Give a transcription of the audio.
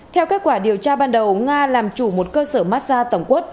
theo kết quả điều tra ban đầu nga làm chủ một cơ sở mát xa tổng quốc